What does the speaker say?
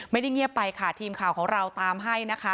เงียบไปค่ะทีมข่าวของเราตามให้นะคะ